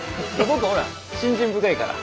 僕ほら信心深いから。